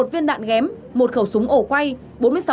một mươi một viên đạn ghém một khẩu súng ổ quay